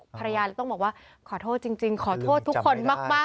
ภรรยาเลยต้องบอกว่าขอโทษจริงขอโทษทุกคนมาก